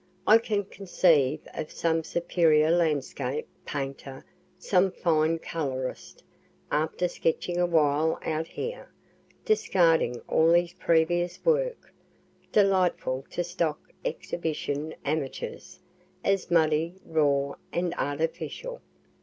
I can conceive of some superior landscape painter, some fine colorist, after sketching awhile out here, discarding all his previous work, delightful to stock exhibition amateurs, as muddy, raw and artificial.